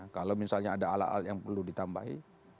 kalau misalnya ada alat alat yang perlu ditambahi